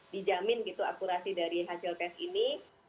dijamin gitu akurasi dari hasil tes ini